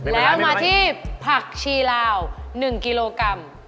แล้วมาที่ผักชีลาว๑กิโลกรัม